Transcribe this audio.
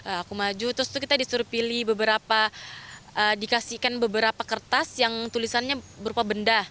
aku maju terus kita disuruh pilih beberapa dikasihkan beberapa kertas yang tulisannya berupa benda